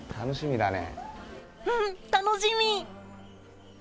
うん、楽しみ。